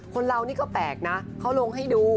คนเรานี่ก็แปลกนะเขาลงให้ดู